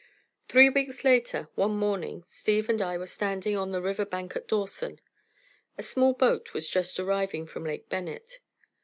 Three weeks later, one morning, Steve and I were standing on the river bank at Dawson. A small boat was just arriving from Lake Bennett.